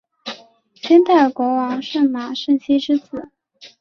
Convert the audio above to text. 先代国王舜马顺熙之子。